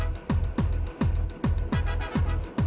enggak enggak ini salah aku kok